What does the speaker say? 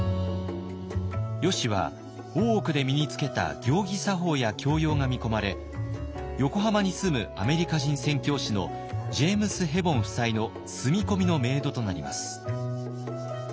よしは大奥で身につけた行儀作法や教養が見込まれ横浜に住むアメリカ人宣教師のジェームス・ヘボン夫妻の住み込みのメイドとなります。